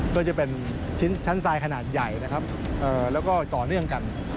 ก็จะเป็นชิ้นชั้นทรายขนาดใหญ่นะครับแล้วก็ต่อเนื่องกัน